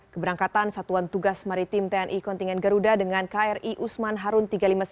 keberangkatan satuan tugas maritim tni kontingen garuda dengan kri usman harun tiga ratus lima puluh sembilan